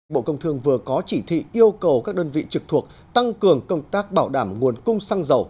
bộ công thương vừa có chỉ thị yêu cầu các đơn vị trực thuộc tăng cường công tác bảo đảm nguồn cung xăng dầu